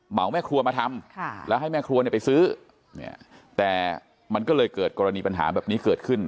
แม่ครัวมาทำแล้วให้แม่ครัวเนี่ยไปซื้อเนี่ยแต่มันก็เลยเกิดกรณีปัญหาแบบนี้เกิดขึ้น